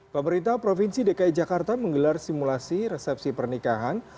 pemerintah provinsi dki jakarta menggelar simulasi resepsi pernikahan